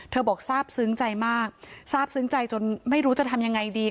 บอกทราบซึ้งใจมากทราบซึ้งใจจนไม่รู้จะทำยังไงดี